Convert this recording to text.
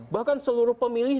bahkan seluruh pemilih